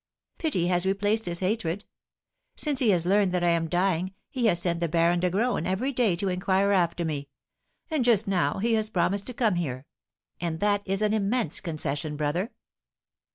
"Pity has replaced his hatred. Since he has learned that I am dying, he has sent the Baron de Graün every day to inquire after me; and just now he has promised to come here; and that is an immense concession, brother."